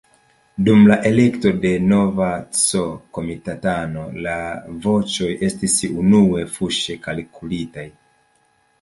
Dum la elekto de nova C-komitatano la voĉoj estis unue fuŝe kalkulitaj.